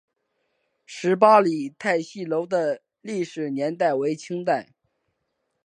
十八里汰戏楼的历史年代为清代。